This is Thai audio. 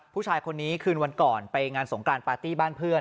ผู้ชายคนนี้คืนวันก่อนไปงานสงกรานปาร์ตี้บ้านเพื่อน